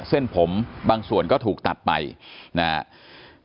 เส้นผมบางส่วนก็ถูกตัดไปนะครับ